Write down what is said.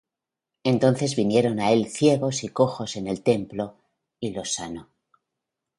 Entonces vinieron á él ciegos y cojos en el templo, y los sanó.